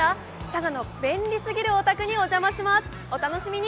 佐賀の便利すぎるお宅にお邪魔します。